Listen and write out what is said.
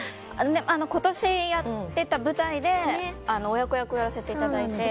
今年やってた舞台で親子役をやらせていただいて。